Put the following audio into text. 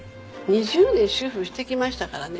２０年主婦してきましたからね。